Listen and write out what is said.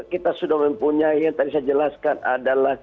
kita sudah mempunyai yang tadi saya jelaskan adalah